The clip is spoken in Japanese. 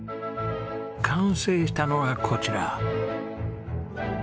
完成したのがこちら！